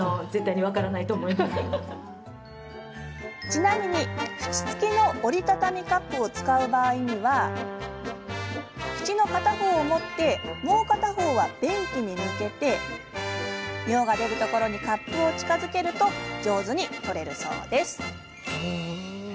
ちなみに、縁付きの折り畳みカップを使う場合は縁の片方を持ってもう片方は便器に向け尿が出るところにカップを近づけると上手に採れるそうです。